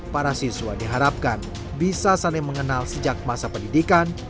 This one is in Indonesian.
para siswa diharapkan bisa saling mengenal sejak masa pendidikan